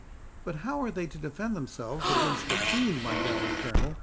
"But how are they to defend themselves against the fiends, my gallant Colonel?"